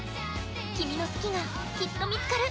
君の好きが、きっと見つかる。